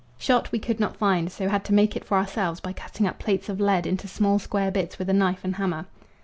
Shot we could not find, so had to make it for ourselves by cutting up plates of lead into small square bits with a knife and hammer.